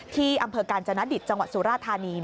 ที่อำเภอกาญจนดิตจังหวัดสุราธานี